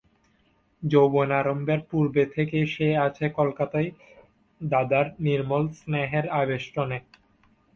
যৌবনারম্ভের পূর্বে থেকেই সে আছে কলকাতায়, দাদার নির্মল স্নেহের আবেষ্টনে।